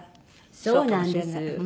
そうなんです。